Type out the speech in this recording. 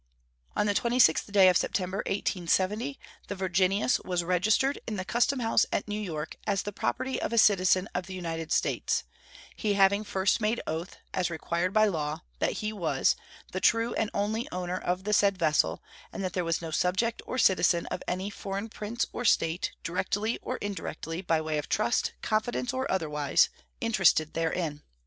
On the 26th day of September, 1870, the Virginius was registered in the custom house at New York as the property of a citizen of the United States, he having first made oath, as required by law, that he was "the true and only owner of the said vessel, and that there was no subject or citizen of any foreign prince or state, directly or indirectly, by way of trust, confidence, or otherwise, interested therein."